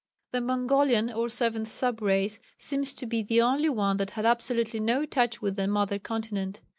The Mongolian or 7th sub race seems to be the only one that had absolutely no touch with the mother continent.